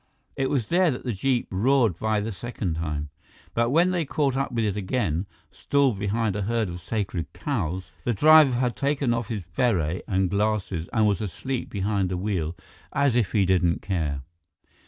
It was there that the jeep roared by the second time. But when they caught up with it again, stalled behind a herd of sacred cows, the driver had taken off his beret and glasses and was asleep behind the wheel, as if he didn't care.